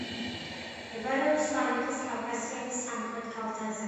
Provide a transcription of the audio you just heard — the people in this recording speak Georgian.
მდებარეობს სვანეთის კავკასიონის სამხრეთ კალთაზე.